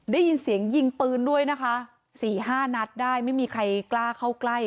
ได้ยินเสียงยิงปืนด้วยนะคะสี่ห้านัดได้ไม่มีใครกล้าเข้าใกล้